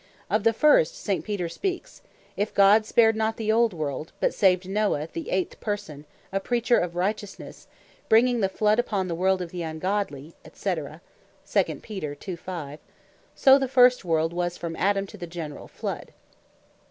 Of the first, St. Peter speaks, (2 Pet. 2.5.) "If God spared not the Old World, but saved Noah the eighth person, a Preacher of righteousnesse, bringing the flood upon the world of the ungodly," &c. So the First World, was from Adam to the generall Flood.